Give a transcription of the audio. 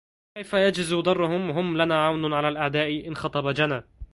كيف يجز ضرهم وهم لنا عون على الأعدا إن خطب جنا